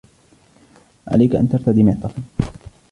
عليك أن ترتدي معطفا.